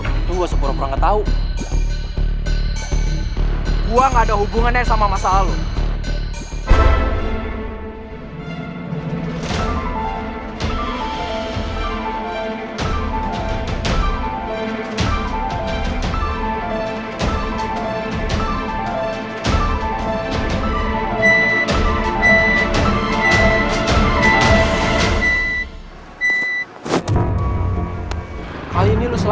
itu gue sepura pura tau